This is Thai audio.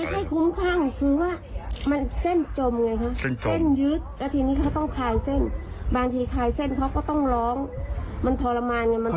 เวลาเขาคลายเส้นเขาต้องคลายเอง